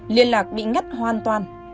liên lạc bị ngắt hoàn toàn